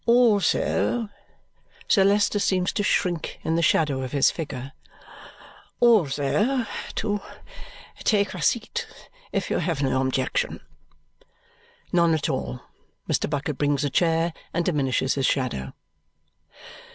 Also" Sir Leicester seems to shrink in the shadow of his figure "also, to take a seat, if you have no objection." None at all. Mr. Bucket brings a chair and diminishes his shadow.